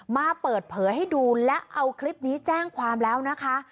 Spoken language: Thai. มาเปิดเผยให้ดูและเอาคลิปนี้แจ้งความแล้วนะคะ